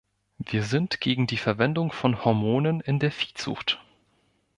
Wir sind gegen die Verwendung von Hormonen in der Viehzucht.